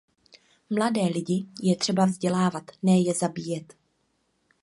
Mladé lidi je třeba vzdělávat, ne je zabíjet.